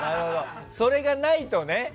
それがないとね。